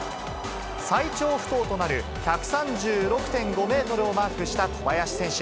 最長不倒となる１３６．５メートルをマークした小林選手。